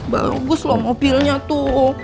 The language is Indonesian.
bagus loh mobilnya tuh